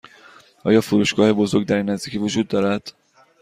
آیا فروشگاه بزرگ در این نزدیکی وجود دارد؟